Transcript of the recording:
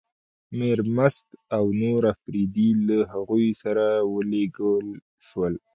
میرمست او نور اپرېدي له هغوی سره ولېږل شول.